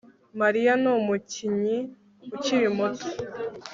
Mariya numukinyi ukiri muto